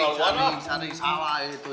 tadi salah itu